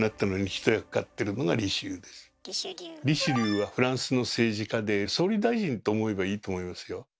リシュリューはフランスの政治家で総理大臣と思えばいいと思いますよ。